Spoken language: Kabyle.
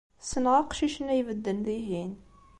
Ssneɣ aqcic-nni ay ibedden dihin.